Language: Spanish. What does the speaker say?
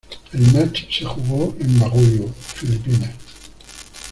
El match se jugó en Baguio, Filipinas.